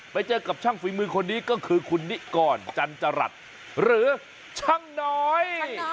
ไปเจอกับช่างฝีมือคนนี้ก็คือคุณนิกรจันจรัสหรือช่างน้อย